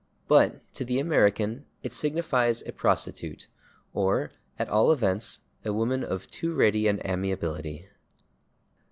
But to the American it signifies a prostitute, or, at all events, a woman of too ready an amiability.